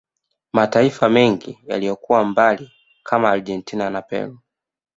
Mataifa mengi yaliyokuwa mbali kama Argentina na Peru